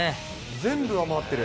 全部上回ってる。